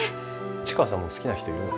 市川さんも好きな人いるの？